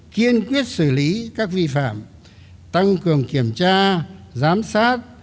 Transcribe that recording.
kiên quyết xử lý các vi phạm tăng cường kiểm tra giám sát